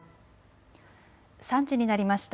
３時になりました。